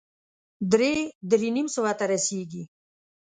درې- درې نيم سوه ته رسېږي.